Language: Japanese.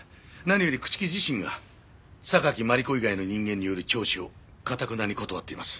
何より朽木自身が榊マリコ以外の人間による聴取をかたくなに断っています。